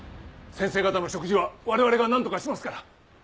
先生方の食事は我々が何とかしますから！